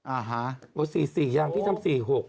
อ่าฮะบอก๔๔ยังพี่ทำ๔๖